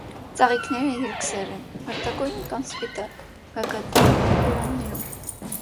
Ծաղիկները երկսեռ են, վարդագույն կամ սպիտակ՝ գագաթային հուրաններում։